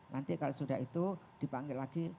nanti kalau sudah itu dipanggil lagi